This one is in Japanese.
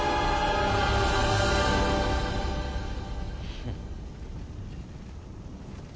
フッ。